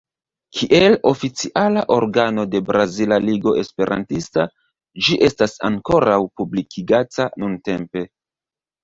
Kiel oficiala organo de Brazila Ligo Esperantista, ĝi estas ankoraŭ publikigata nuntempe.